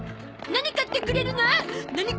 何買ってくれるの？